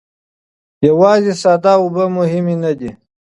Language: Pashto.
یوازې ساده اوبه مهمې نه دي.